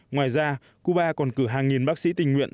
ngoài ra cuba còn cử hàng nghìn bác sĩ tình nguyện